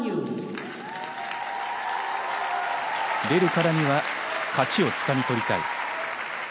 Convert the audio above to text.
出るからには勝ちをつかみ取りたい。